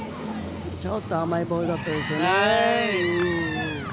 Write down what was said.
ちょっと甘いボールだったですよね。